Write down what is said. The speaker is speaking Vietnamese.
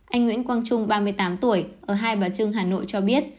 anh nguyễn quang trung ba mươi tám tuổi ở hai bà trưng hà nội cho biết